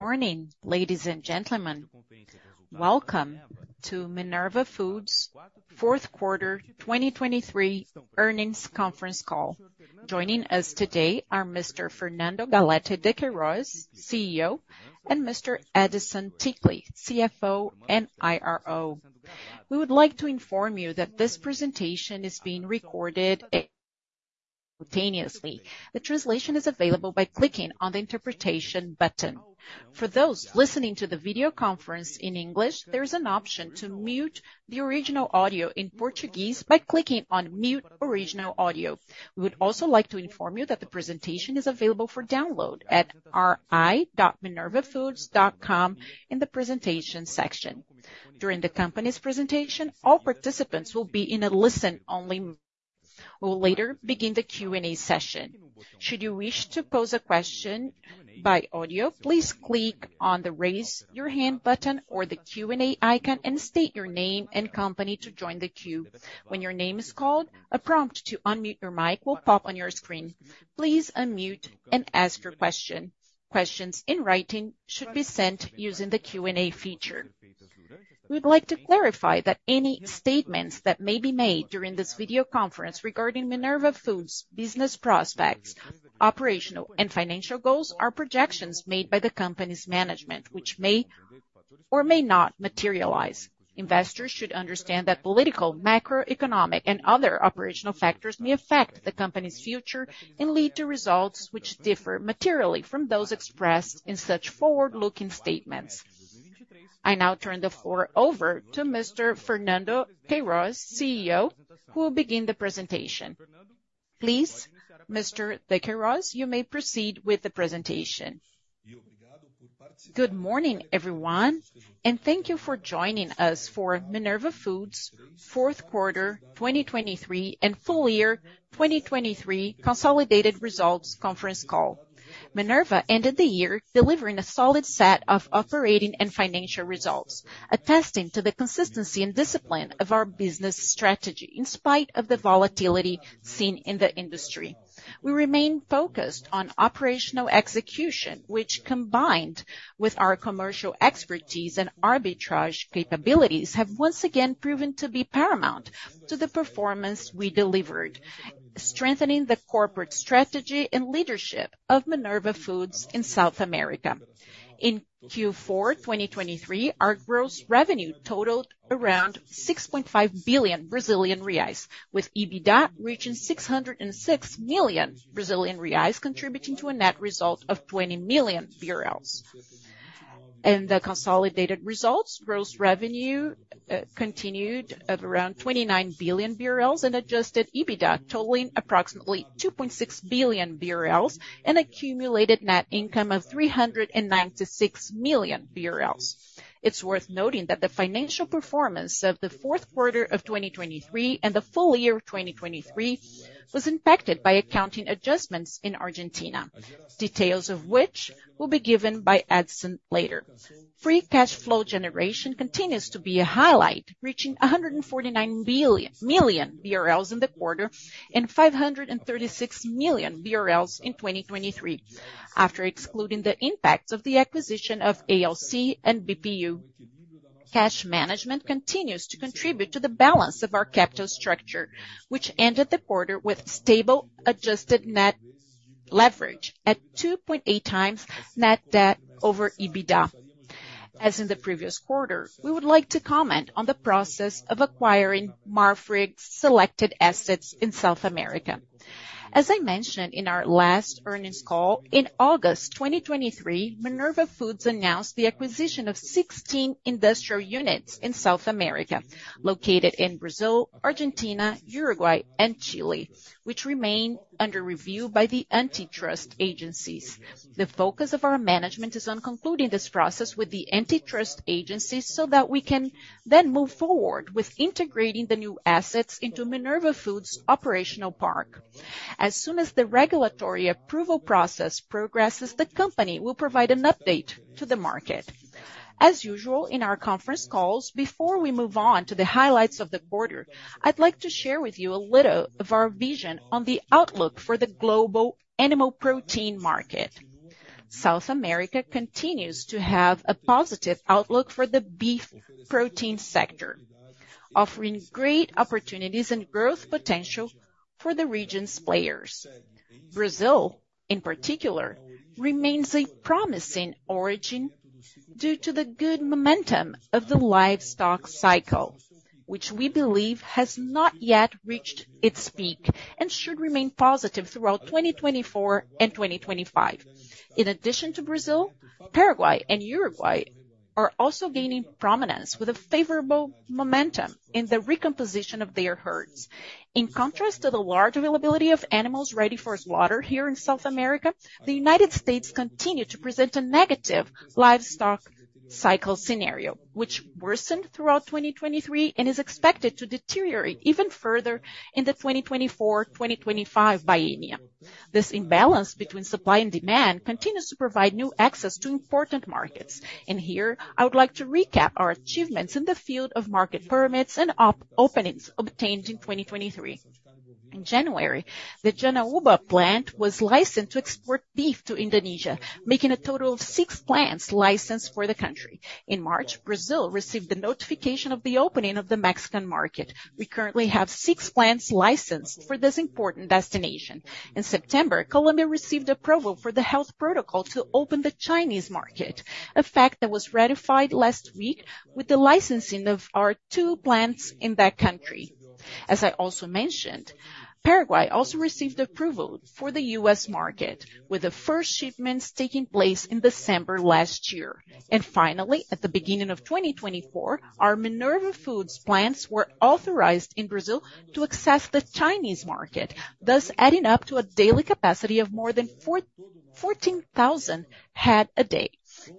Morning, ladies and gentlemen. Welcome to Minerva Foods' fourth quarter 2023 earnings conference call. Joining us today are Mr. Fernando Galletti de Queiroz, CEO, and Mr. Edison Ticle, CFO and IRO. We would like to inform you that this presentation is being recorded simultaneously. The translation is available by clicking on the interpretation button. For those listening to the video conference in English, there is an option to mute the original audio in Portuguese by clicking on "Mute Original Audio." We would also like to inform you that the presentation is available for download at ri.minervafoods.com in the presentation section. During the company's presentation, all participants will be in a listen-only mode. We will later begin the Q&A session. Should you wish to pose a question by audio, please click on the "Raise Your Hand" button or the Q&A icon and state your name and company to join the queue. When your name is called, a prompt to unmute your mic will pop on your screen. Please unmute and ask your question. Questions in writing should be sent using the Q&A feature. We would like to clarify that any statements that may be made during this video conference regarding Minerva Foods' business prospects, operational, and financial goals are projections made by the company's management, which may or may not materialize. Investors should understand that political, macroeconomic, and other operational factors may affect the company's future and lead to results which differ materially from those expressed in such forward-looking statements. I now turn the floor over to Mr. Fernando Queiroz, CEO, who will begin the presentation. Please, Mr. de Queiroz, you may proceed with the presentation. Good morning, everyone, and thank you for joining us for Minerva Foods' fourth quarter 2023 and full year 2023 consolidated results conference call. Minerva ended the year delivering a solid set of operating and financial results, attesting to the consistency and discipline of our business strategy in spite of the volatility seen in the industry. We remain focused on operational execution, which, combined with our commercial expertise and arbitrage capabilities, have once again proven to be paramount to the performance we delivered, strengthening the corporate strategy and leadership of Minerva Foods in South America. In Q4 2023, our gross revenue totaled around 6.5 billion Brazilian reais, with EBITDA reaching 606 million Brazilian reais, contributing to a net result of 20 million BRL. In the consolidated results, gross revenue continued at around 29 billion BRL and adjusted EBITDA, totaling approximately 2.6 billion BRL and accumulated net income of 396 million BRL. It's worth noting that the financial performance of the fourth quarter of 2023 and the full year of 2023 was impacted by accounting adjustments in Argentina, details of which will be given by Edison later. Free cash flow generation continues to be a highlight, reaching 149 million BRL in the quarter and 536 million BRL in 2023, after excluding the impacts of the acquisition of ALC and BPU. Cash management continues to contribute to the balance of our capital structure, which ended the quarter with stable adjusted net leverage at 2.8x net debt over EBITDA. As in the previous quarter, we would like to comment on the process of acquiring Marfrig's selected assets in South America. As I mentioned in our last earnings call, in August 2023, Minerva Foods announced the acquisition of 16 industrial units in South America, located in Brazil, Argentina, Uruguay, and Chile, which remain under review by the antitrust agencies. The focus of our management is on concluding this process with the antitrust agencies so that we can then move forward with integrating the new assets into Minerva Foods' operational park. As soon as the regulatory approval process progresses, the company will provide an update to the market. As usual in our conference calls, before we move on to the highlights of the quarter, I'd like to share with you a little of our vision on the outlook for the global animal protein market. South America continues to have a positive outlook for the beef protein sector, offering great opportunities and growth potential for the region's players. Brazil, in particular, remains a promising origin due to the good momentum of the livestock cycle, which we believe has not yet reached its peak and should remain positive throughout 2024 and 2025. In addition to Brazil, Paraguay and Uruguay are also gaining prominence with a favorable momentum in the recomposition of their herds. In contrast to the large availability of animals ready for slaughter here in South America, the United States continued to present a negative livestock cycle scenario, which worsened throughout 2023 and is expected to deteriorate even further in the 2024-2025 biennium. This imbalance between supply and demand continues to provide new access to important markets, and here I would like to recap our achievements in the field of market permits and openings obtained in 2023. In January, the Janaúba plant was licensed to export beef to Indonesia, making a total of six plants licensed for the country. In March, Brazil received the notification of the opening of the Mexican market. We currently have six plants licensed for this important destination. In September, Colombia received approval for the health protocol to open the Chinese market, a fact that was ratified last week with the licensing of our two plants in that country. As I also mentioned, Paraguay also received approval for the U.S. market, with the first shipments taking place in December last year. And finally, at the beginning of 2024, our Minerva Foods plants were authorized in Brazil to access the Chinese market, thus adding up to a daily capacity of more than 14,000 head a day,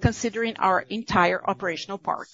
considering our entire operational park.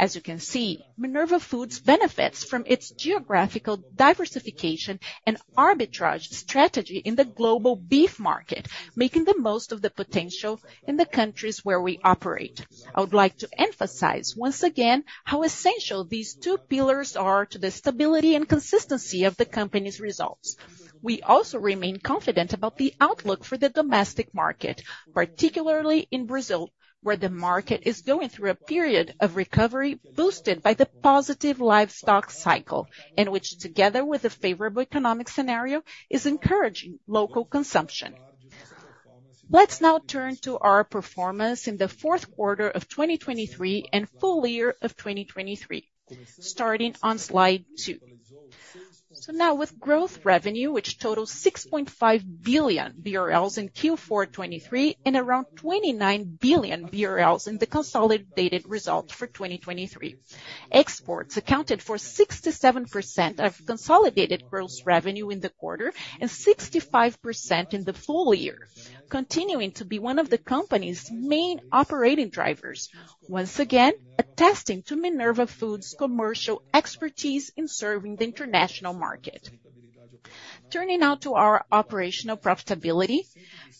As you can see, Minerva Foods benefits from its geographical diversification and arbitrage strategy in the global beef market, making the most of the potential in the countries where we operate. I would like to emphasize once again how essential these two pillars are to the stability and consistency of the company's results. We also remain confident about the outlook for the domestic market, particularly in Brazil, where the market is going through a period of recovery boosted by the positive livestock cycle, in which, together with a favorable economic scenario, is encouraging local consumption. Let's now turn to our performance in the fourth quarter of 2023 and full year of 2023, starting on slide two. So now, with gross revenue, which totaled 6.5 billion BRL in Q4 2023 and around 29 billion BRL in the consolidated results for 2023, exports accounted for 67% of consolidated gross revenue in the quarter and 65% in the full year, continuing to be one of the company's main operating drivers, once again attesting to Minerva Foods' commercial expertise in serving the international market. Turning now to our operational profitability,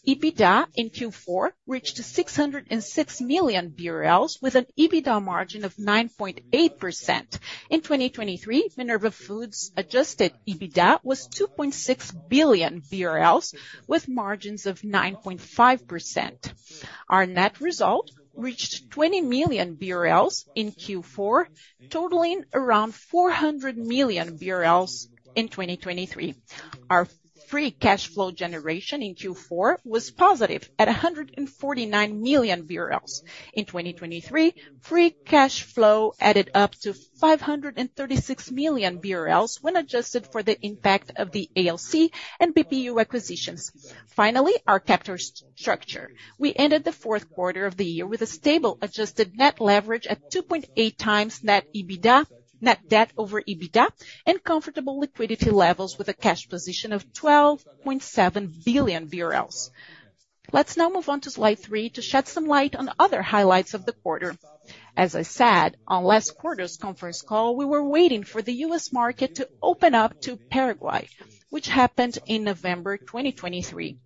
EBITDA in Q4 reached 606 million BRL, with an EBITDA margin of 9.8%. In 2023, Minerva Foods' adjusted EBITDA was 2.6 billion BRL, with margins of 9.5%. Our net result reached 20 million BRL in Q4, totaling around 400 million BRL in 2023. Our free cash flow generation in Q4 was positive at 149 million. In 2023, free cash flow added up to 536 million when adjusted for the impact of the ALC and BPU acquisitions. Finally, our capital structure. We ended the fourth quarter of the year with a stable adjusted net leverage at 2.8 times net EBITDA, net debt over EBITDA, and comfortable liquidity levels with a cash position of 12.7 billion BRL. Let's now move on to slide three to shed some light on other highlights of the quarter. As I said, on last quarter's conference call, we were waiting for the U.S. market to open up to Paraguay, which happened in November 2023.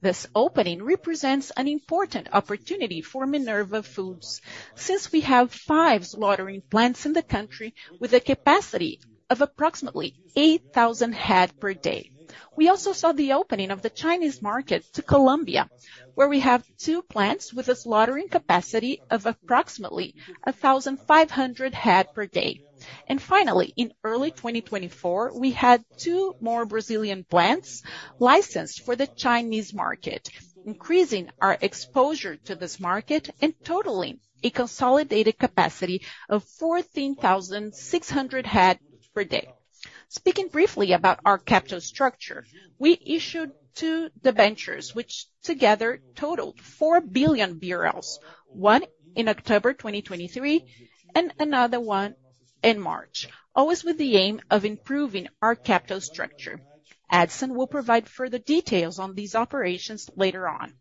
This opening represents an important opportunity for Minerva Foods, since we have five slaughtering plants in the country with a capacity of approximately 8,000 head per day. We also saw the opening of the Chinese market to Colombia, where we have two plants with a slaughtering capacity of approximately 1,500 head per day. Finally, in early 2024, we had 2 more Brazilian plants licensed for the Chinese market, increasing our exposure to this market and totaling a consolidated capacity of 14,600 head per day. Speaking briefly about our capital structure, we issued 2 debentures, which together totaled 4 billion BRL, one in October 2023 and another one in March, always with the aim of improving our capital structure. Edison will provide further details on these operations later on.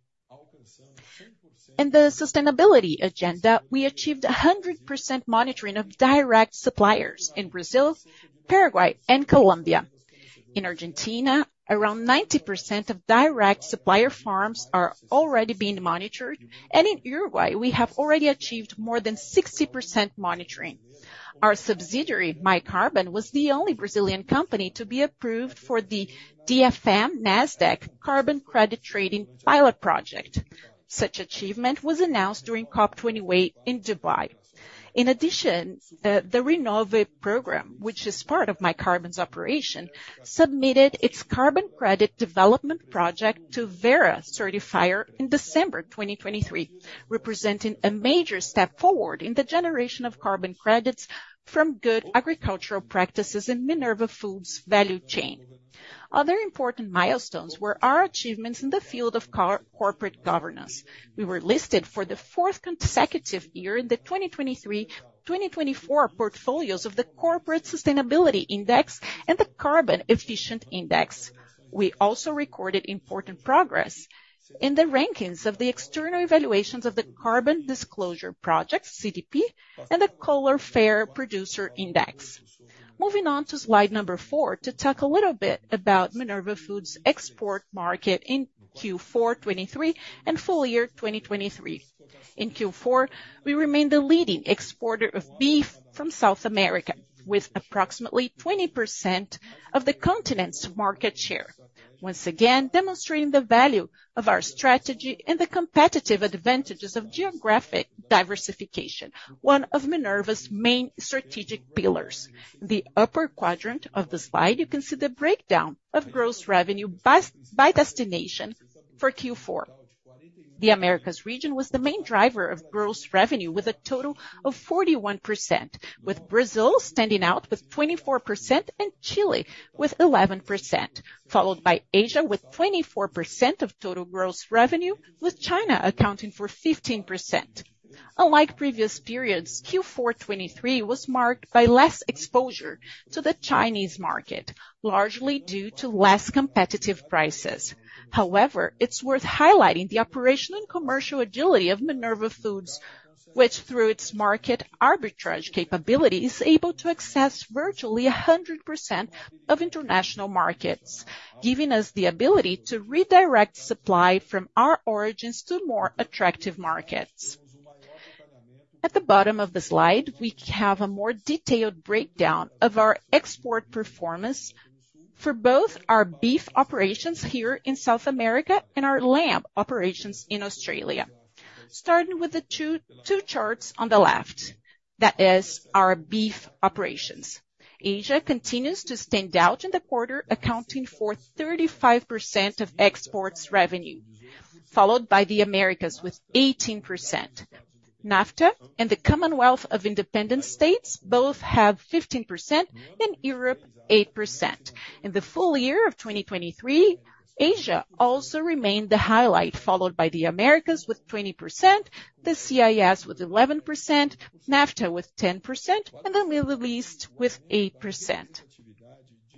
In the sustainability agenda, we achieved 100% monitoring of direct suppliers in Brazil, Paraguay, and Colombia. In Argentina, around 90% of direct supplier farms are already being monitored, and in Uruguay, we have already achieved more than 60% monitoring. Our subsidiary, My Carbon, was the only Brazilian company to be approved for the DFM Nasdaq Carbon Credit Trading Pilot Project. Such achievement was announced during COP 28 in Dubai. In addition, the Renova Program, which is part of My Carbon's operation, submitted its carbon credit development project to Verra Certifier in December 2023, representing a major step forward in the generation of carbon credits from good agricultural practices in Minerva Foods' value chain. Other important milestones were our achievements in the field of corporate governance. We were listed for the fourth consecutive year in the 2023-2024 portfolios of the Corporate Sustainability Index and the Carbon Efficient Index. We also recorded important progress in the rankings of the External Evaluations of the Carbon Disclosure Project, CDP, and the Coller FAIRR Protein Producer Index. Moving on to slide number four to talk a little bit about Minerva Foods' export market in Q4 2023 and full year 2023. In Q4, we remain the leading exporter of beef from South America, with approximately 20% of the continent's market share, once again demonstrating the value of our strategy and the competitive advantages of geographic diversification, one of Minerva's main strategic pillars. In the upper quadrant of the slide, you can see the breakdown of gross revenue by destination for Q4. The Americas region was the main driver of gross revenue, with a total of 41%, with Brazil standing out with 24% and Chile with 11%, followed by Asia with 24% of total gross revenue, with China accounting for 15%. Unlike previous periods, Q4 2023 was marked by less exposure to the Chinese market, largely due to less competitive prices. However, it's worth highlighting the operational and commercial agility of Minerva Foods, which, through its market arbitrage capability, is able to access virtually 100% of international markets, giving us the ability to redirect supply from our origins to more attractive markets. At the bottom of the slide, we have a more detailed breakdown of our export performance for both our beef operations here in South America and our lamb operations in Australia. Starting with the two charts on the left, that is, our beef operations. Asia continues to stand out in the quarter, accounting for 35% of exports revenue, followed by the Americas with 18%. NAFTA and the Commonwealth of Independent States both have 15% and Europe 8%. In the full year of 2023, Asia also remained the highlight, followed by the Americas with 20%, the CIS with 11%, NAFTA with 10%, and the Middle East with 8%.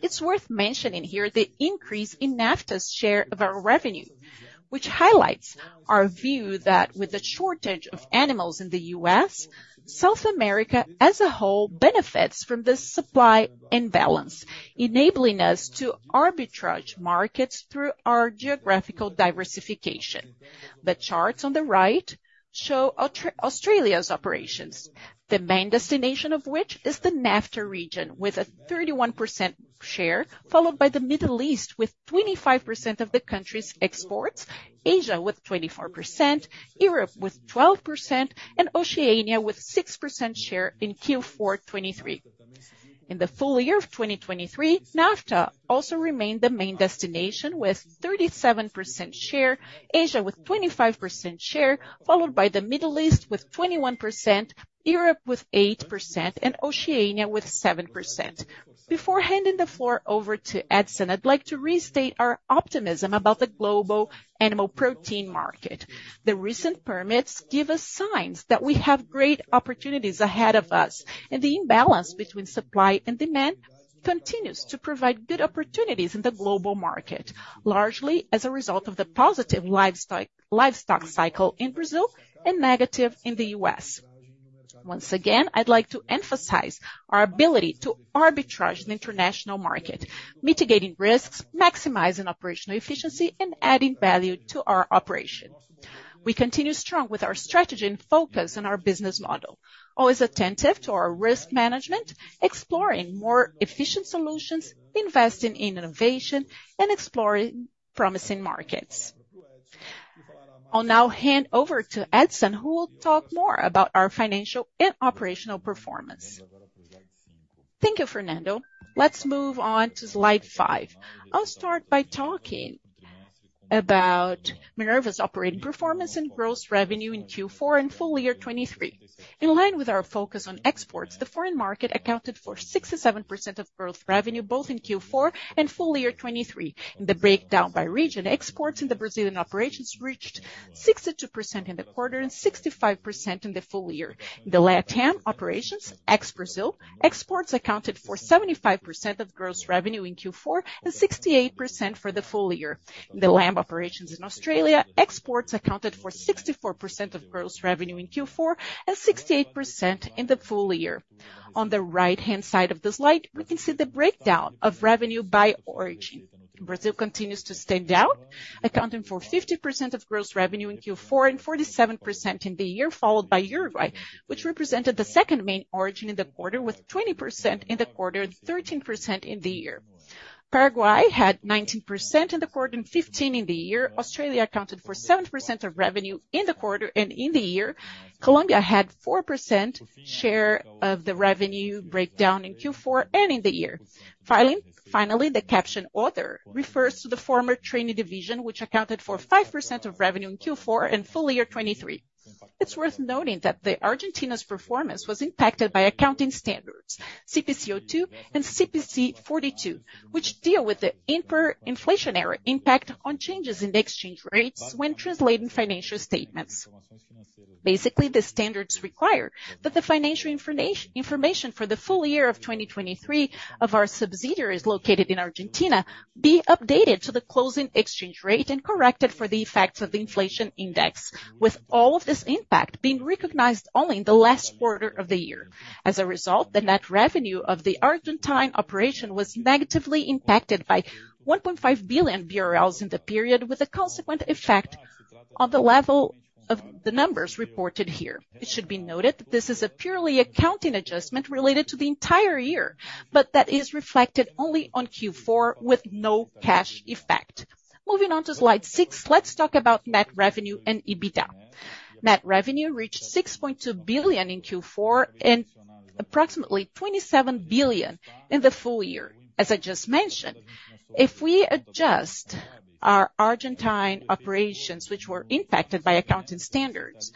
It's worth mentioning here the increase in NAFTA's share of our revenue, which highlights our view that with the shortage of animals in the U.S., South America as a whole benefits from this supply imbalance, enabling us to arbitrage markets through our geographical diversification. The charts on the right show Australia's operations, the main destination of which is the NAFTA region with a 31% share, followed by the Middle East with 25% of the country's exports, Asia with 24%, Europe with 12%, and Oceania with 6% share in Q4 2023. In the full year of 2023, NAFTA also remained the main destination with 37% share, Asia with 25% share, followed by the Middle East with 21%, Europe with 8%, and Oceania with 7%. Before handing the floor over to Edison, I'd like to restate our optimism about the global animal protein market. The recent permits give us signs that we have great opportunities ahead of us, and the imbalance between supply and demand continues to provide good opportunities in the global market, largely as a result of the positive livestock cycle in Brazil and negative in the U.S. Once again, I'd like to emphasize our ability to arbitrage the international market, mitigating risks, maximizing operational efficiency, and adding value to our operation. We continue strong with our strategy and focus on our business model, always attentive to our risk management, exploring more efficient solutions, investing in innovation, and exploring promising markets. I'll now hand over to Edison, who will talk more about our financial and operational performance. Thank you, Fernando. Let's move on to slide five. I'll start by talking about Minerva's operating performance and gross revenue in Q4 and full year 2023. In line with our focus on exports, the foreign market accounted for 67% of gross revenue both in Q4 and full year 2023. In the breakdown by region, exports in the Brazilian operations reached 62% in the quarter and 65% in the full year. In the Latam operations, ex-Brazil, exports accounted for 75% of gross revenue in Q4 and 68% for the full year. In the lamb operations in Australia, exports accounted for 64% of gross revenue in Q4 and 68% in the full year. On the right-hand side of the slide, we can see the breakdown of revenue by origin. Brazil continues to stand out, accounting for 50% of gross revenue in Q4 and 47% in the year, followed by Uruguay, which represented the second main origin in the quarter, with 20% in the quarter and 13% in the year. Paraguay had 19% in the quarter and 15% in the year. Australia accounted for 7% of revenue in the quarter and in the year. Colombia had 4% share of the revenue breakdown in Q4 and in the year. Finally, the caption Other refers to the former Trading division, which accounted for 5% of revenue in Q4 and full year 2023. It's worth noting that Argentina's performance was impacted by accounting standards, CPC 02 and CPC 42, which deal with the inflationary impact on changes in exchange rates when translating financial statements. Basically, the standards require that the financial information for the full year of 2023 of our subsidiary located in Argentina be updated to the closing exchange rate and corrected for the effects of the inflation index, with all of this impact being recognized only in the last quarter of the year. As a result, the net revenue of the Argentine operation was negatively impacted by 1.5 billion BRL in the period, with a consequent effect on the level of the numbers reported here. It should be noted that this is a purely accounting adjustment related to the entire year, but that is reflected only on Q4 with no cash effect. Moving on to slide 6, let's talk about net revenue and EBITDA. Net revenue reached 6.2 billion in Q4 and approximately 27 billion in the full year. As I just mentioned, if we adjust our Argentine operations, which were impacted by accounting standards,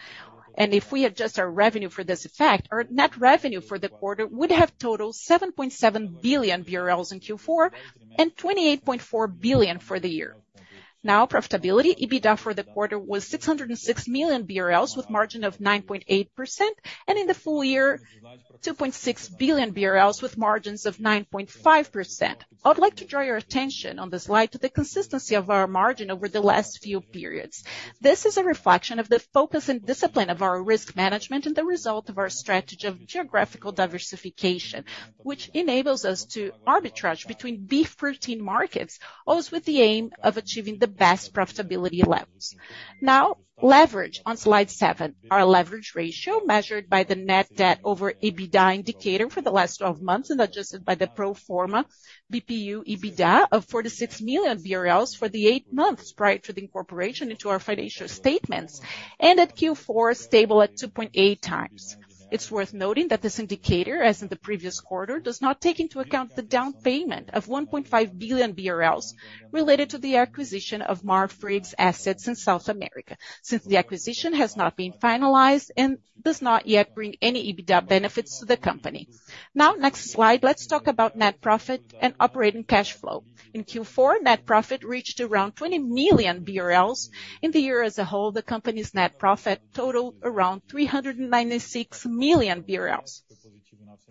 and if we adjust our revenue for this effect, our net revenue for the quarter would have totaled 7.7 billion BRL in Q4 and 28.4 billion for the year. Now, profitability, EBITDA for the quarter was 606 million BRL with a margin of 9.8% and in the full year, 2.6 billion BRL with margins of 9.5%. I'd like to draw your attention on the slide to the consistency of our margin over the last few periods. This is a reflection of the focus and discipline of our risk management and the result of our strategy of geographical diversification, which enables us to arbitrage between beef protein markets, always with the aim of achieving the best profitability levels. Now, leverage on slide seven, our leverage ratio measured by the net debt over EBITDA indicator for the last 12 months and adjusted by the pro forma BPU EBITDA of 46 million BRL for the eight months prior to the incorporation into our financial statements, and at Q4, stable at 2.8x. It's worth noting that this indicator, as in the previous quarter, does not take into account the down payment of 1.5 billion BRL related to the acquisition of Marfrig's assets in South America, since the acquisition has not been finalized and does not yet bring any EBITDA benefits to the company. Now, next slide, let's talk about net profit and operating cash flow. In Q4, net profit reached around 20 million BRL. In the year as a whole, the company's net profit totaled around 396 million BRL.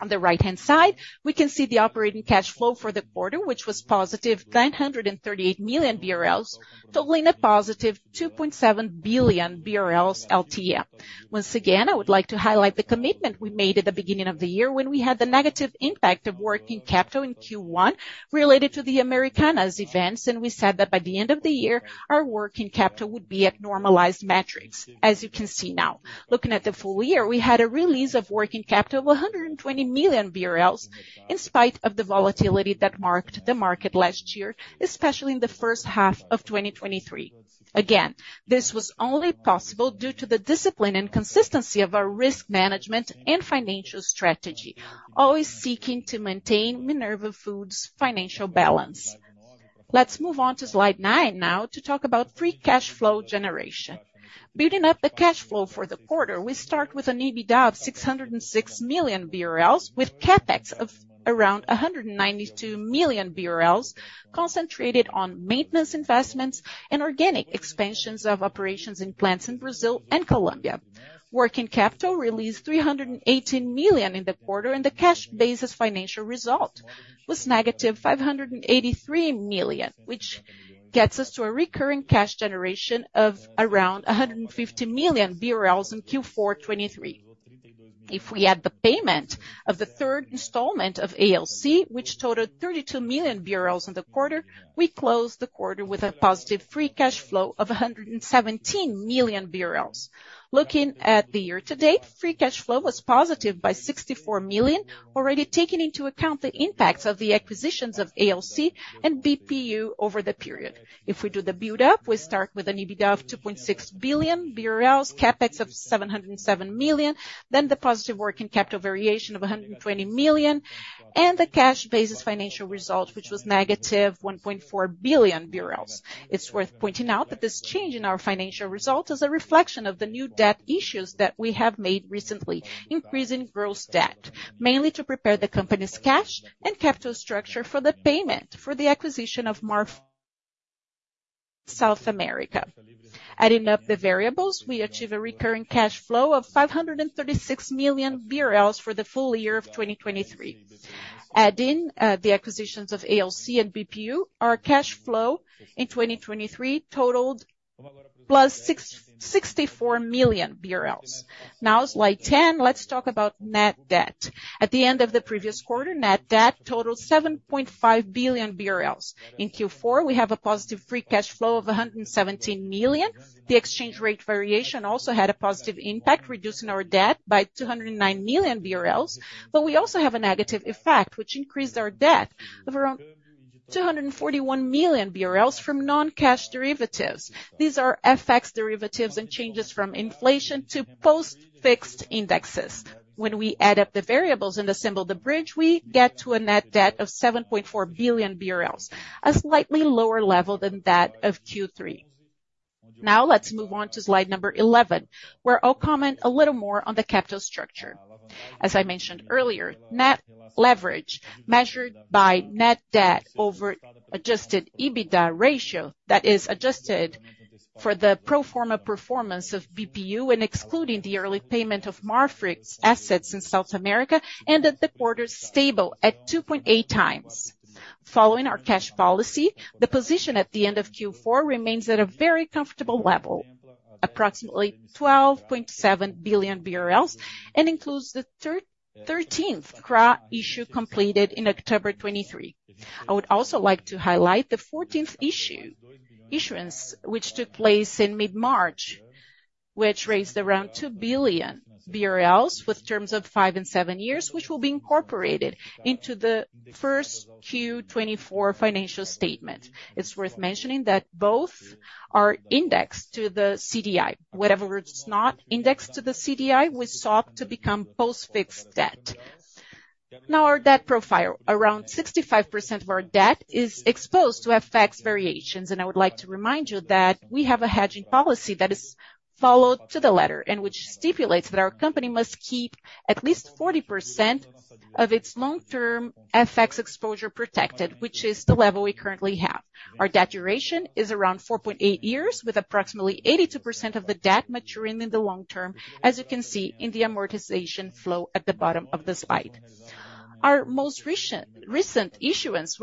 On the right-hand side, we can see the operating cash flow for the quarter, which was positive 938 million BRL, totally net positive 2.7 billion BRL LTM. Once again, I would like to highlight the commitment we made at the beginning of the year when we had the negative impact of working capital in Q1 related to the Americanas events, and we said that by the end of the year, our working capital would be at normalized metrics, as you can see now. Looking at the full year, we had a release of working capital of 120 million BRL in spite of the volatility that marked the market last year, especially in the first half of 2023. Again, this was only possible due to the discipline and consistency of our risk management and financial strategy, always seeking to maintain Minerva Foods' financial balance. Let's move on to slide nine now to talk about free cash flow generation. Building up the cash flow for the quarter, we start with an EBITDA of 606 million BRL, with CapEx of around 192 million BRL concentrated on maintenance investments and organic expansions of operations in plants in Brazil and Colombia. Working capital released 318 million in the quarter, and the cash-based financial result was negative 583 million, which gets us to a recurring cash generation of around 150 million BRL in Q4 2023. If we add the payment of the third installment of ALC, which totaled 32 million BRL in the quarter, we close the quarter with a positive free cash flow of 117 million BRL. Looking at the year to date, free cash flow was positive by 64 million, already taking into account the impacts of the acquisitions of ALC and BPU over the period. If we do the buildup, we start with an EBITDA of 2.6 billion, CapEx of 707 million, then the positive working capital variation of 120 million, and the cash-based financial result, which was negative 1.4 billion BRL. It's worth pointing out that this change in our financial result is a reflection of the new debt issues that we have made recently, increasing gross debt, mainly to prepare the company's cash and capital structure for the payment for the acquisition of Marfrig South America. Adding up the variables, we achieve a recurring cash flow of 536 million BRL for the full year of 2023. Adding the acquisitions of ALC and BPU, our cash flow in 2023 totaled plus 64 million BRL. Now, slide 10, let's talk about net debt. At the end of the previous quarter, net debt totaled 7.5 billion BRL. In Q4, we have a positive free cash flow of 117 million. The exchange rate variation also had a positive impact, reducing our debt by 209 million BRL, but we also have a negative effect, which increased our debt of around 241 million BRL from non-cash derivatives. These are FX derivatives and changes from inflation to post-fixed indexes. When we add up the variables and assemble the bridge, we get to a net debt of 7.4 billion BRL, a slightly lower level than that of Q3. Now, let's move on to slide number 11, where I'll comment a little more on the capital structure. As I mentioned earlier, net leverage measured by net debt over adjusted EBITDA ratio, that is, adjusted for the pro forma performance of BPU and excluding the early payment of Marfrig's assets in South America, ended the quarter stable at 2.8 times. Following our cash policy, the position at the end of Q4 remains at a very comfortable level, approximately 12.7 billion BRL, and includes the 13th CRA issue completed in October 2023. I would also like to highlight the 14th issue, which took place in mid-March, which raised around 2 billion BRL with terms of five and seven years, which will be incorporated into the first Q 2024 financial statement. It's worth mentioning that both are indexed to the CDI. Whatever is not indexed to the CDI, we sought to become post-fixed debt. Now, our debt profile, around 65% of our debt is exposed to FX variations, and I would like to remind you that we have a hedging policy that is followed to the letter and which stipulates that our company must keep at least 40% of its long-term FX exposure protected, which is the level we currently have. Our debt duration is around 4.8 years, with approximately 82% of the debt maturing in the long term, as you can see in the amortization flow at the bottom of the slide. Our most recent issuance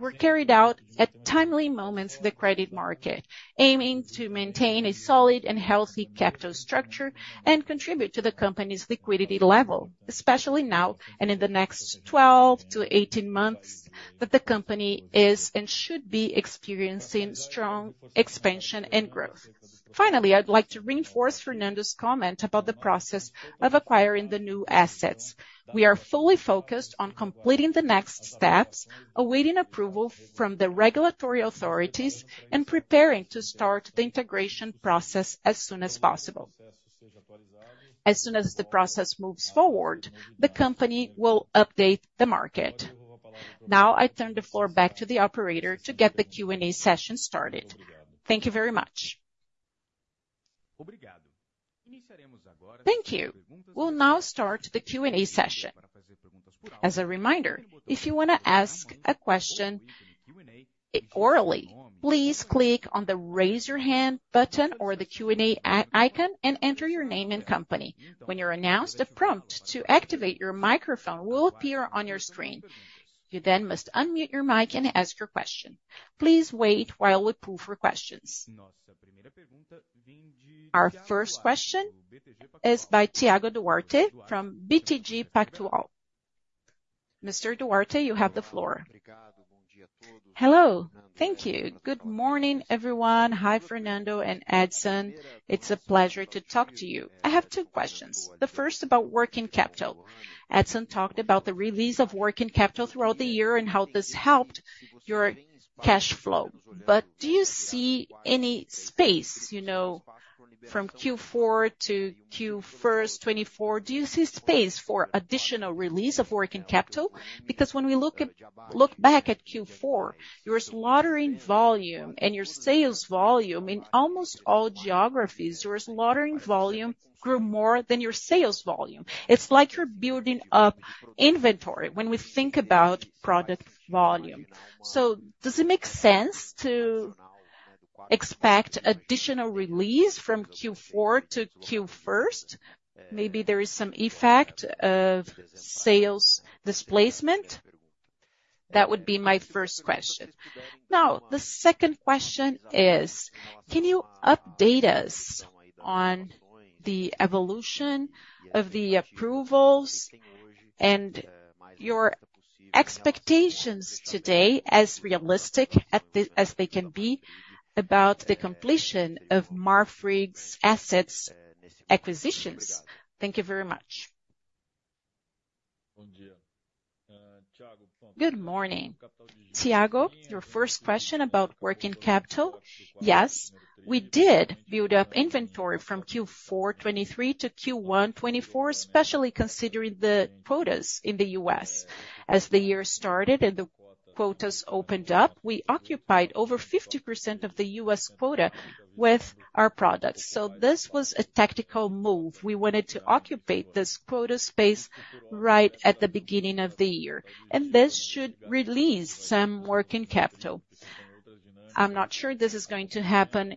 was carried out at timely moments in the credit market, aiming to maintain a solid and healthy capital structure and contribute to the company's liquidity level, especially now and in the next 12-18 months that the company is and should be experiencing strong expansion and growth. Finally, I'd like to reinforce Fernando's comment about the process of acquiring the new assets. We are fully focused on completing the next steps, awaiting approval from the regulatory authorities, and preparing to start the integration process as soon as possible. As soon as the process moves forward, the company will update the market. Now, I turn the floor back to the operator to get the Q&A session started. Thank you very much. Thank you. We'll now start the Q&A session. As a reminder, if you want to ask a question orally, please click on the "Raise Your Hand" button or the Q&A icon and enter your name and company. When you're announced, a prompt to activate your microphone will appear on your screen. You then must unmute your mic and ask your question. Please wait while we probe for questions. Our first question is by Thiago Duarte from BTG Pactual. Mr. Duarte, you have the floor. Hello, thank you. Good morning, everyone. Hi, Fernando and Edison. It's a pleasure to talk to you. I have two questions. The first about working capital. Edison talked about the release of working capital throughout the year and how this helped your cash flow, but do you see any space, you know, from Q4 to Q1 2024? Do you see space for additional release of working capital? Because when we look back at Q4, your slaughtering volume and your sales volume in almost all geographies, your slaughtering volume grew more than your sales volume. It's like you're building up inventory when we think about product volume. So, does it make sense to expect additional release from Q4 to Q1? Maybe there is some effect of sales displacement. That would be my first question. Now, the second question is, can you update us on the evolution of the approvals and your expectations today, as realistic as they can be, about the completion of Marfrig's assets acquisitions? Thank you very much. Good morning. Tiago, your first question about working capital. Yes, we did build up inventory from Q4 2023 to Q1 2024, especially considering the quotas in the U.S. As the year started and the quotas opened up, we occupied over 50% of the U.S. quota with our products. So, this was a tactical move. We wanted to occupy this quota space right at the beginning of the year, and this should release some working capital. I'm not sure this is going to happen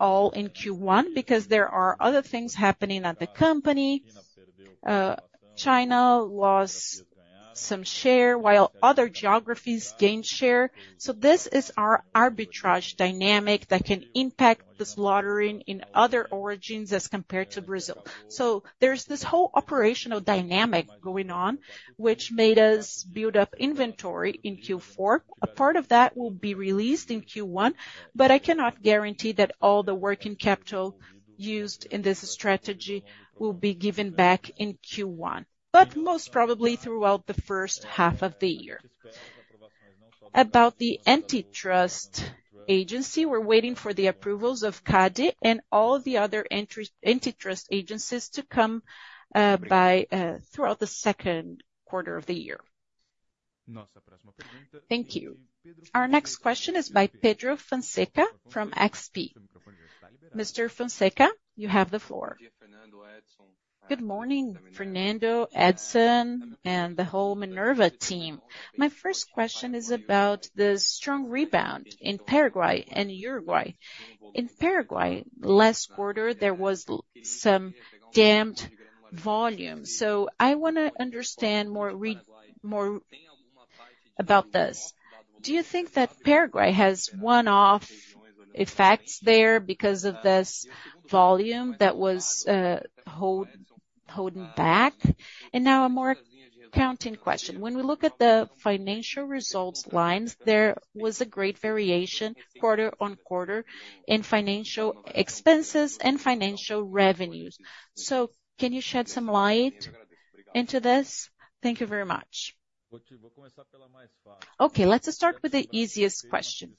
all in Q1 because there are other things happening at the company. China lost some share while other geographies gained share. So, this is our arbitrage dynamic that can impact the slaughtering in other origins as compared to Brazil. So, there's this whole operational dynamic going on, which made us build up inventory in Q4. A part of that will be released in Q1, but I cannot guarantee that all the working capital used in this strategy will be given back in Q1. But most probably throughout the first half of the year. About the antitrust agency, we're waiting for the approvals of CADE and all the other antitrust agencies to come by throughout the second quarter of the year. Thank you. Our next question is by Pedro Fonseca from XP. Mr. Fonseca, you have the floor. Good morning, Fernando, Edson, and the whole Minerva team. My first question is about the strong rebound in Paraguay and Uruguay. In Paraguay, last quarter, there was some dampened volume, so I want to understand more about this. Do you think that Paraguay has one-off effects there because of this volume that was holding back? And now, a more accounting question. When we look at the financial results lines, there was a great variation quarter-over-quarter in financial expenses and financial revenues. So, can you shed some light into this? Thank you very much. Okay, let's start with the easiest question.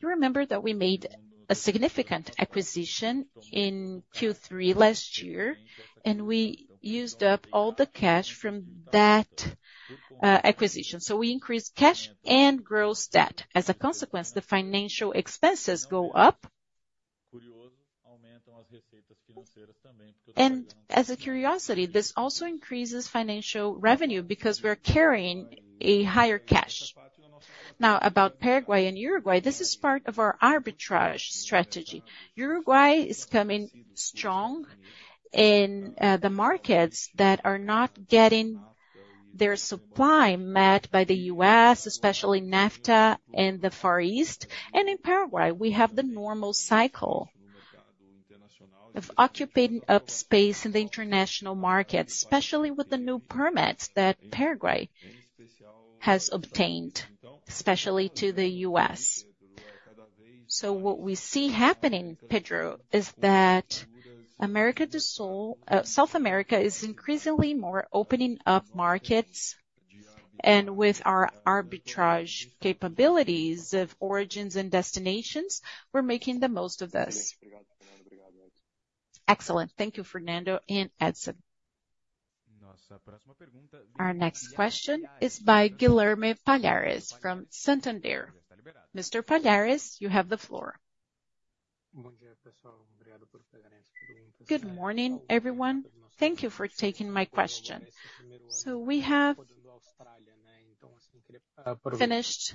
You remember that we made a significant acquisition in Q3 last year, and we used up all the cash from that acquisition. So, we increased cash and gross debt. As a consequence, the financial expenses go up. And as a curiosity, this also increases financial revenue because we're carrying a higher cash. Now, about Paraguay and Uruguay, this is part of our arbitrage strategy. Uruguay is coming strong in the markets that are not getting their supply met by the U.S., especially NAFTA and the Far East. And in Paraguay, we have the normal cycle of occupying up space in the international markets, especially with the new permits that Paraguay has obtained, especially to the U.S. So, what we see happening, Pedro, is that South America is increasingly more opening up markets, and with our arbitrage capabilities of origins and destinations, we're making the most of this. Excellent. Thank you, Fernando and Edison. Our next question is by Guilherme Palhares from Santander. Mr. Palhares, you have the floor. Good morning, everyone. Thank you for taking my question. So, we have finished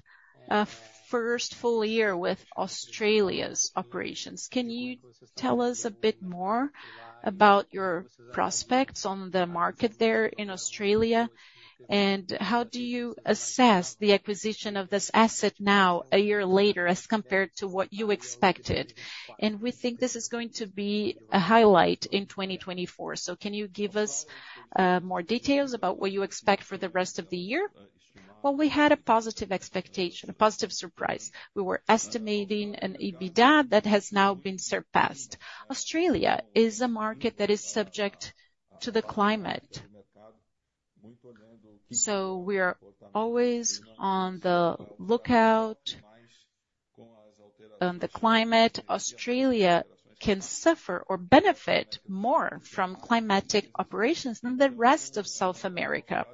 a first full year with Australia's operations. Can you tell us a bit more about your prospects on the market there in Australia, and how do you assess the acquisition of this asset now, a year later, as compared to what you expected? And we think this is going to be a highlight in 2024. So, can you give us more details about what you expect for the rest of the year? Well, we had a positive expectation, a positive surprise. We were estimating an EBITDA that has now been surpassed. Australia is a market that is subject to the climate. So, we are always on the lookout on the climate. Australia can suffer or benefit more from climatic operations than the rest of South America.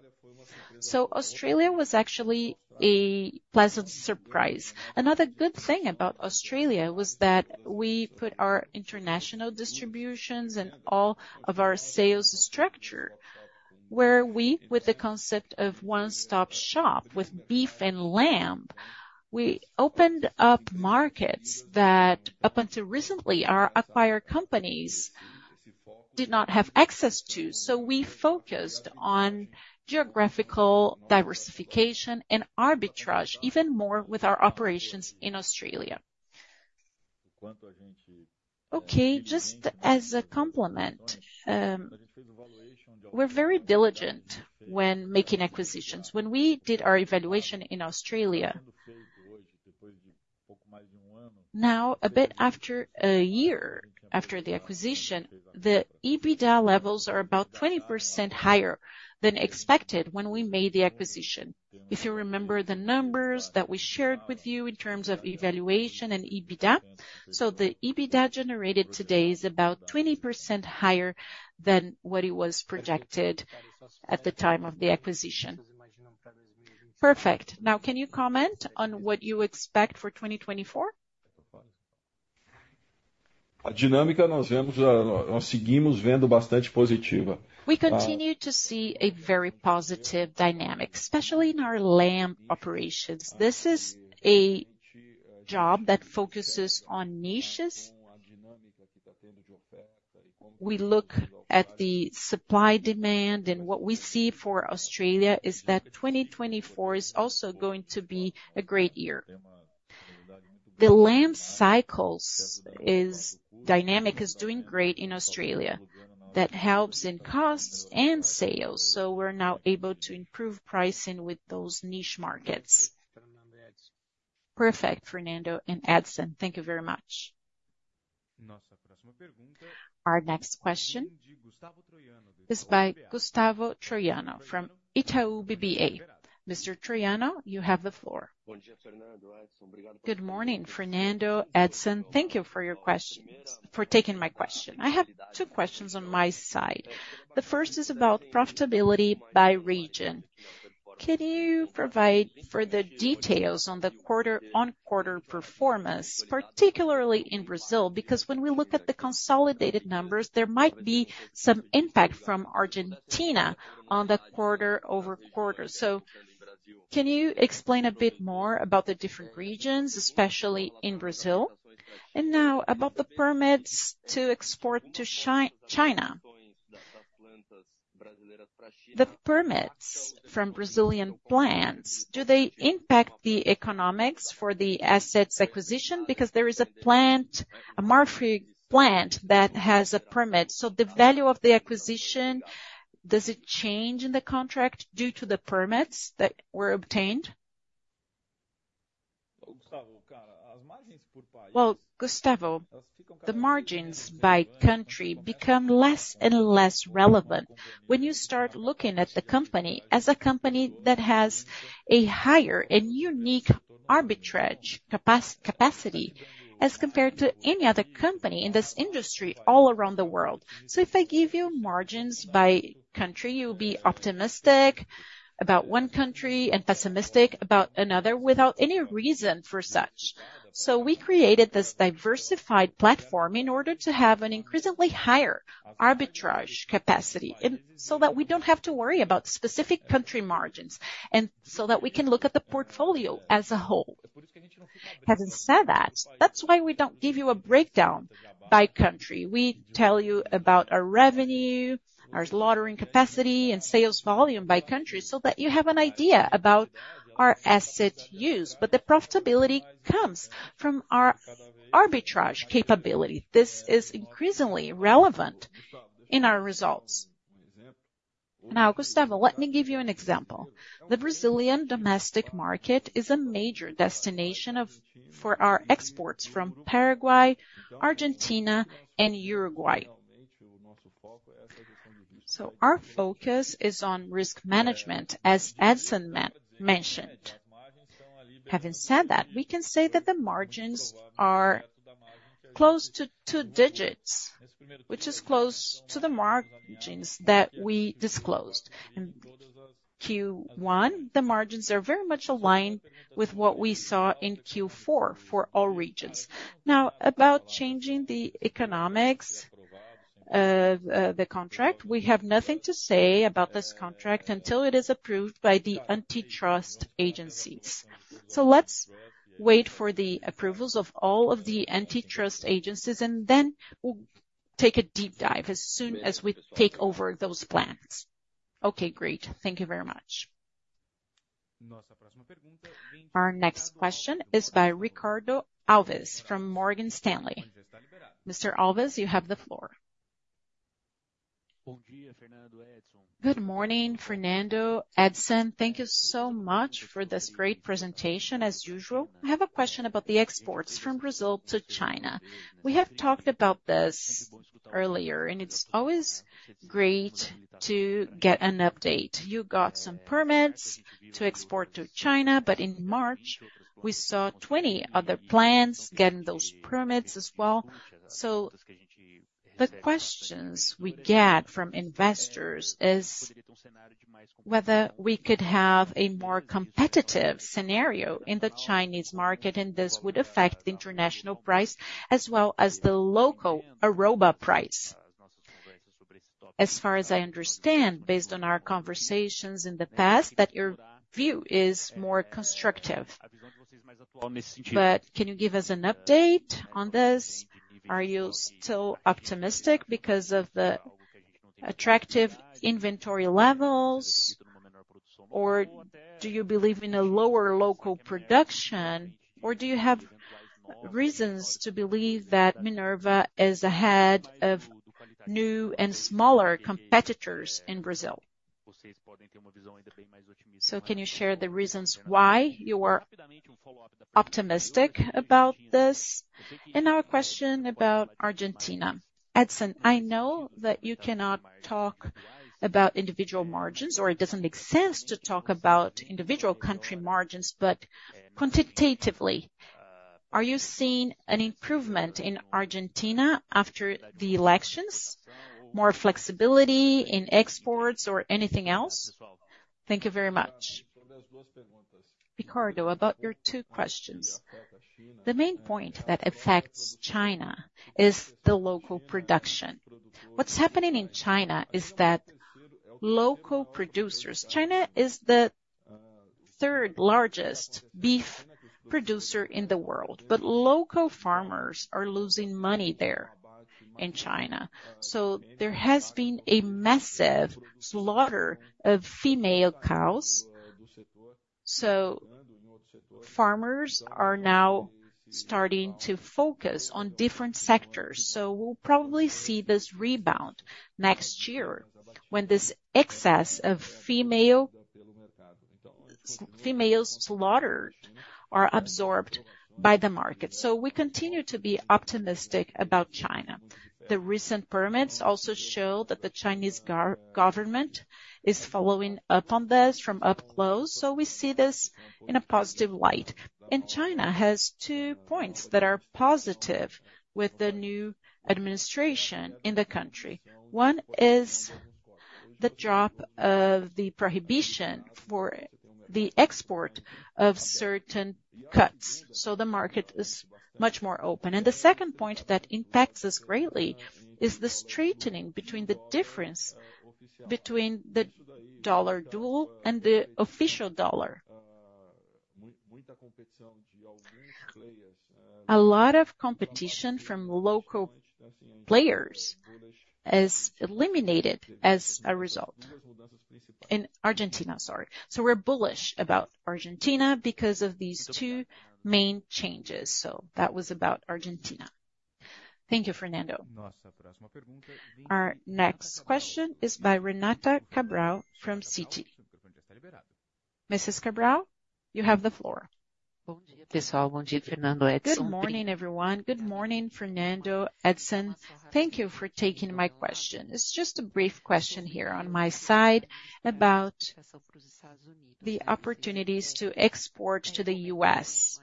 So, Australia was actually a pleasant surprise. Another good thing about Australia was that we put our international distributions and all of our sales structure where we, with the concept of one-stop shop with beef and lamb, we opened up markets that, up until recently, our acquired companies did not have access to. So, we focused on geographical diversification and arbitrage even more with our operations in Australia. Okay, just as a complement, we're very diligent when making acquisitions. When we did our evaluation in Australia, now, a bit after a year after the acquisition, the EBITDA levels are about 20% higher than expected when we made the acquisition. If you remember the numbers that we shared with you in terms of evaluation and EBITDA, so the EBITDA generated today is about 20% higher than what it was projected at the time of the acquisition. Perfect. Now, can you comment on what you expect for 2024? We continue to see a very positive dynamic, especially in our lamb operations. This is a job that focuses on niches. We look at the supply-demand, and what we see for Australia is that 2024 is also going to be a great year. The lamb cycle's dynamic is doing great in Australia. That helps in costs and sales. So, we're now able to improve pricing with those niche markets. Perfect, Fernando and Edison. Thank you very much. Our next question is by Gustavo Troiano from Itaú BBA. Mr. Troiano, you have the floor. Good morning, Fernando, Edson. Thank you for taking my question. I have two questions on my side. The first is about profitability by region. Can you provide further details on the quarter-over-quarter performance, particularly in Brazil? Because when we look at the consolidated numbers, there might be some impact from Argentina on the quarter-over-quarter. So, can you explain a bit more about the different regions, especially in Brazil? And now, about the permits to export to China. The permits from Brazilian plants, do they impact the economics for the assets acquisition? Because there is a Marfrig plant that has a permit. So, the value of the acquisition, does it change in the contract due to the permits that were obtained? Well, Gustavo, the margins by country become less and less relevant when you start looking at the company as a company that has a higher and unique arbitrage capacity as compared to any other company in this industry all around the world. So, if I give you margins by country, you'll be optimistic about one country and pessimistic about another without any reason for such. So, we created this diversified platform in order to have an increasingly higher arbitrage capacity so that we don't have to worry about specific country margins and so that we can look at the portfolio as a whole. Having said that, that's why we don't give you a breakdown by country. We tell you about our revenue, our slaughtering capacity, and sales volume by country so that you have an idea about our asset use. But the profitability comes from our arbitrage capability. This is increasingly relevant in our results. Now, Gustavo, let me give you an example. The Brazilian domestic market is a major destination for our exports from Paraguay, Argentina, and Uruguay. So, our focus is on risk management, as Edison mentioned. Having said that, we can say that the margins are close to two digits, which is close to the margins that we disclosed. In Q1, the margins are very much aligned with what we saw in Q4 for all regions. Now, about changing the economics of the contract, we have nothing to say about this contract until it is approved by the antitrust agencies. So, let's wait for the approvals of all of the antitrust agencies, and then we'll take a deep dive as soon as we take over those plants. Okay, great. Thank you very much. Our next question is by Ricardo Alves from Morgan Stanley. Mr. Alves, you have the floor. Good morning, Fernando, Edson. Thank you so much for this great presentation, as usual. I have a question about the exports from Brazil to China. We have talked about this earlier, and it's always great to get an update. You got some permits to export to China, but in March, we saw 20 other plants getting those permits as well. So, the questions we get from investors are whether we could have a more competitive scenario in the Chinese market, and this would affect the international price as well as the local arroba price. As far as I understand, based on our conversations in the past, your view is more constructive. But can you give us an update on this? Are you still optimistic because of the attractive inventory levels, or do you believe in a lower local production, or do you have reasons to believe that Minerva is ahead of new and smaller competitors in Brazil? So, can you share the reasons why you are optimistic about this? And now a question about Argentina. Edison, I know that you cannot talk about individual margins, or it doesn't make sense to talk about individual country margins, but quantitatively, are you seeing an improvement in Argentina after the elections? More flexibility in exports or anything else? Thank you very much. Ricardo, about your two questions. The main point that affects China is the local production. What's happening in China is that local producers. China is the third largest beef producer in the world, but local farmers are losing money there in China. So, there has been a massive slaughter of female cows. So, farmers are now starting to focus on different sectors. So, we'll probably see this rebound next year when this excess of females slaughtered are absorbed by the market. So, we continue to be optimistic about China. The recent permits also show that the Chinese government is following up on this from up close. So, we see this in a positive light. And China has two points that are positive with the new administration in the country. One is the drop of the prohibition for the export of certain cuts. So, the market is much more open. And the second point that impacts us greatly is the straightening between the difference between the dollar dual and the official dollar. A lot of competition from local players is eliminated as a result in Argentina. So, we're bullish about Argentina because of these two main changes. So, that was about Argentina. Thank you, Fernando. Our next question is by Renata Cabral from Citi. Mrs. Cabral, you have the floor. Pessoal, bom dia, Fernando, Edison. Good morning, everyone. Good morning, Fernando, Edison. Thank you for taking my question. It's just a brief question here on my side about the opportunities to export to the U.S.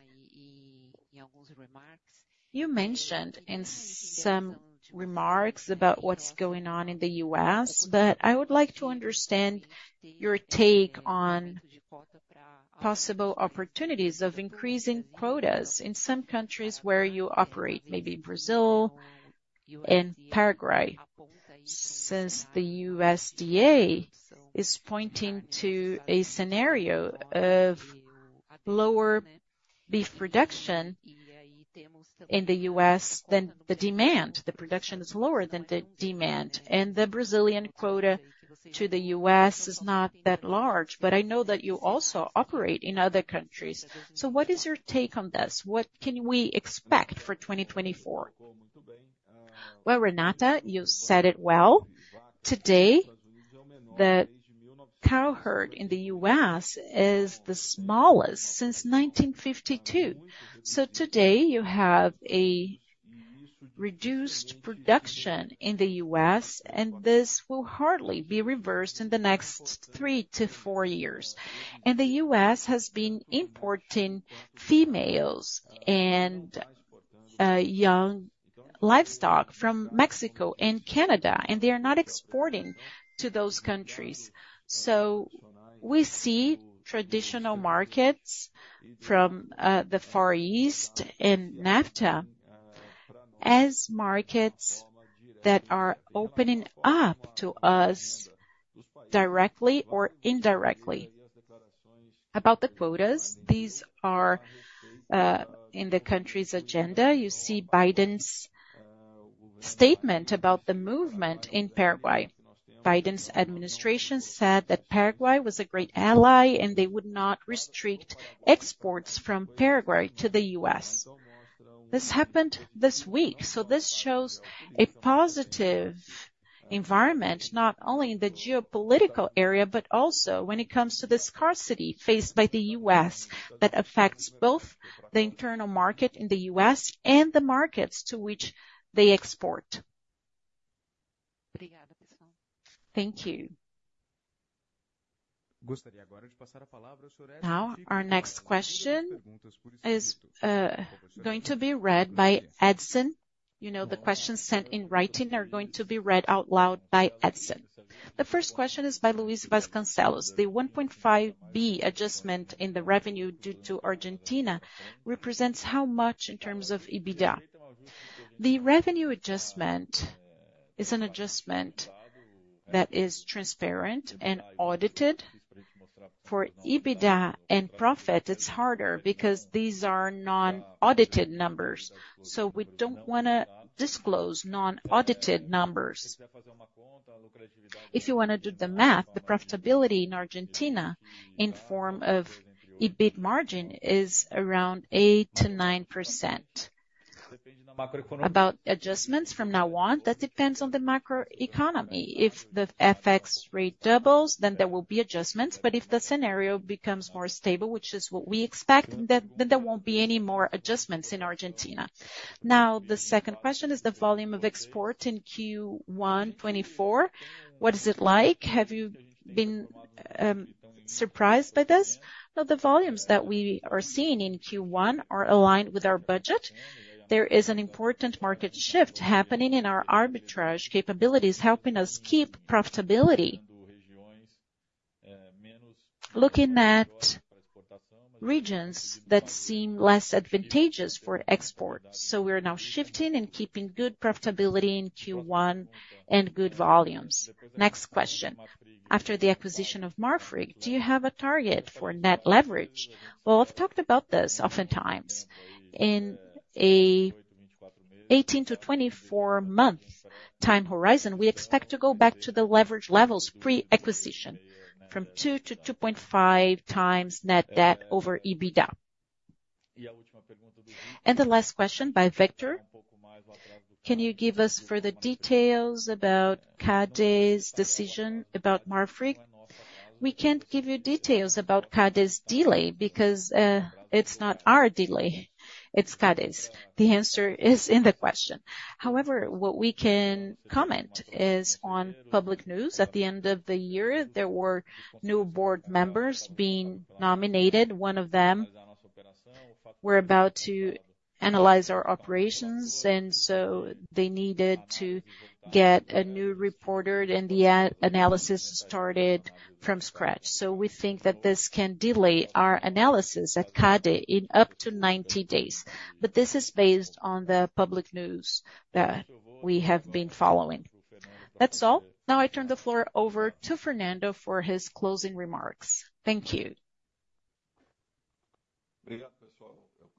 You mentioned in some remarks about what's going on in the U.S., but I would like to understand your take on possible opportunities of increasing quotas in some countries where you operate, maybe Brazil and Paraguay, since the USDA is pointing to a scenario of lower beef production in the U.S. than the demand. The production is lower than the demand, and the Brazilian quota to the U.S. is not that large. But I know that you also operate in other countries. So, what is your take on this? What can we expect for 2024? Well, Renata, you said it well. Today, the cow herd in the U.S. is the smallest since 1952. So, today, you have a reduced production in the U.S., and this will hardly be reversed in the next 3-4 years. The U.S. has been importing females and young livestock from Mexico and Canada, and they are not exporting to those countries. So, we see traditional markets from the Far East and NAFTA as markets that are opening up to us directly or indirectly. About the quotas, these are in the country's agenda. You see Biden's statement about the movement in Paraguay. Biden's administration said that Paraguay was a great ally and they would not restrict exports from Paraguay to the U.S. This happened this week. So, this shows a positive environment not only in the geopolitical area but also when it comes to the scarcity faced by the U.S. that affects both the internal market in the U.S. and the markets to which they export. Thank you. Now, our next question is going to be read by Edison. You know, the questions sent in writing are going to be read out loud by Edison. The first question is by Luis Vasconcelos. The 1.5 billion adjustment in the revenue due to Argentina represents how much in terms of EBITDA? The revenue adjustment is an adjustment that is transparent and audited. For EBITDA and profit, it's harder because these are non-audited numbers. So, we don't want to disclose non-audited numbers. If you want to do the math, the profitability in Argentina in form of EBIT margin is around 8%-9%. About adjustments from now on, that depends on the macroeconomy. If the FX rate doubles, then there will be adjustments. But if the scenario becomes more stable, which is what we expect, then there won't be any more adjustments in Argentina. Now, the second question is the volume of export in Q1 2024. What is it like? Have you been surprised by this? No, the volumes that we are seeing in Q1 are aligned with our budget. There is an important market shift happening in our arbitrage capabilities, helping us keep profitability. Looking at regions that seem less advantageous for exports. So, we are now shifting and keeping good profitability in Q1 and good volumes. Next question. After the acquisition of Marfrig, do you have a target for net leverage? Well, I've talked about this oftentimes. In an 18- to 24-month time horizon, we expect to go back to the leverage levels pre-acquisition from 2-2.5 times net debt over EBITDA. The last question by Victor. Can you give us further details about CADE's decision about Marfrig? We can't give you details about CADE's delay because it's not our delay. It's CADE's. The answer is in the question. However, what we can comment is on public news. At the end of the year, there were new board members being nominated. One of them were about to analyze our operations, and so they needed to get a new reporter, and the analysis started from scratch. So, we think that this can delay our analysis at CADE in up to 90 days. But this is based on the public news that we have been following. That's all. Now, I turn the floor over to Fernando for his closing remarks. Thank you.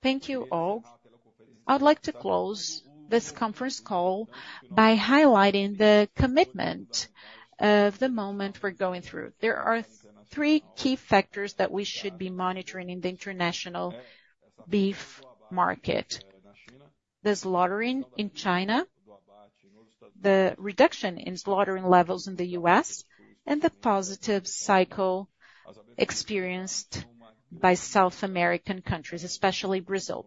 Thank you all. I would like to close this conference call by highlighting the commitment of the moment we're going through. There are three key factors that we should be monitoring in the international beef market: the slaughtering in China, the reduction in slaughtering levels in the U.S., and the positive cycle experienced by South American countries, especially Brazil.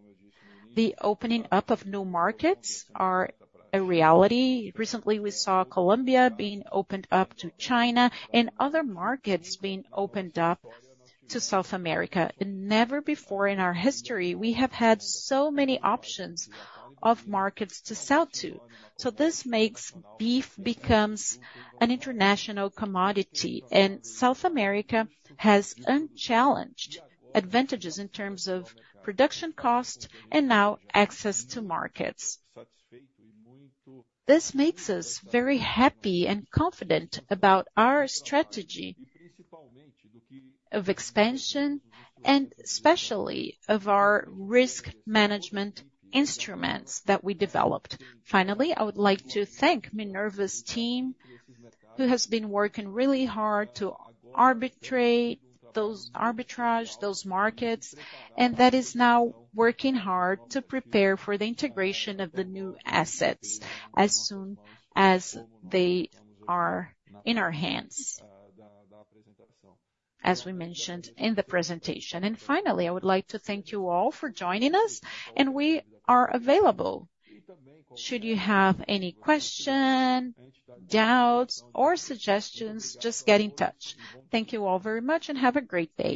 The opening up of new markets is a reality. Recently, we saw Colombia being opened up to China and other markets being opened up to South America. Never before in our history, we have had so many options of markets to sell to. So, this makes beef become an international commodity, and South America has unchallenged advantages in terms of production cost and now access to markets. This makes us very happy and confident about our strategy of expansion and especially of our risk management instruments that we developed. Finally, I would like to thank Minerva's team, who has been working really hard to arbitrate those markets and that is now working hard to prepare for the integration of the new assets as soon as they are in our hands, as we mentioned in the presentation. Finally, I would like to thank you all for joining us, and we are available. Should you have any questions, doubts, or suggestions, just get in touch. Thank you all very much, and have a great day.